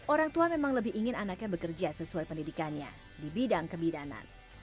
orang tua memang lebih ingin anaknya bekerja sesuai pendidikannya di bidang kebidanan